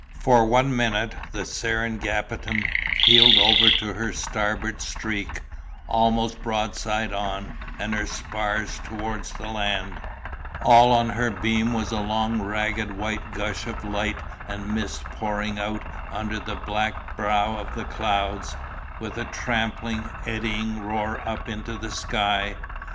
"For one minute the Seringapatam heeled over to her starboard streak, almost broadside on, and her spars towards the land—all on her beam was a long ragged white gush of light and mist pouring out under the black brow of the clouds, with a trampling, eddying roar up into the sky.